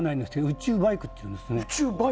宇宙バイクっていいますね。